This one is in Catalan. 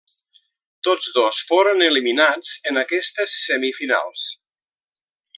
Tots dos foren eliminats en aquestes semifinals.